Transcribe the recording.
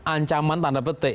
ancaman tanda petik